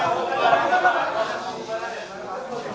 saya ingin tahu